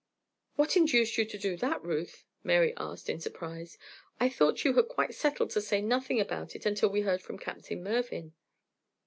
"What induced you to do that, Ruth?" Mary asked, in surprise. "I thought you had quite settled to say nothing about it until we heard from Captain Mervyn."